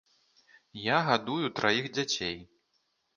Я гадую траіх дзяцей.